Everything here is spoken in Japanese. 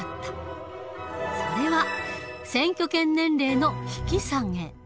それは選挙権年齢の引き下げ。